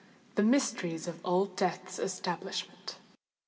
THE MYSTERIES OF OLD DEATH'S ESTABLISHMENT.